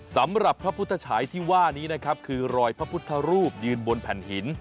สำหรับพระพุทธฉายที่ว่านี้นะครับคือรอยพระพุทธรูปยืนบนแผ่นหิน